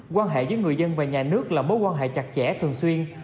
quan hệ giữa người dân và nhà nước là mối quan hệ chặt chẽ thường xuyên